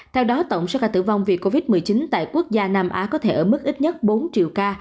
theo đó tổng số ca tử vong vì covid một mươi chín tại quốc gia nam á có thể ở mức ít nhất bốn triệu ca